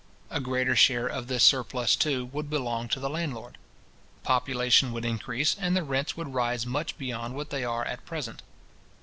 A greater share of this surplus, too, would belong to the landlord. Population would increase, and rents would rise much beyond what they are at present.